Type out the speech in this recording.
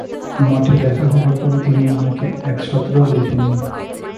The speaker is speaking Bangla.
মঠে দেখা হবার পর তিনি আমাকে একছত্রও লেখেননি।